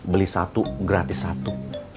beli satu gratis satu